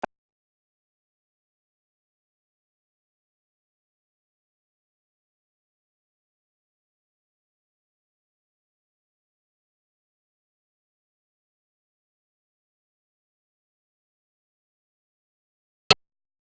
สวัสดีครับสวัสดีครับ